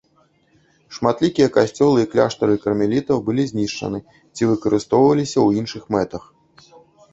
Шматлікія касцёлы і кляштары кармелітаў былі знішчаны ці выкарыстоўваліся ў іншых мэтах.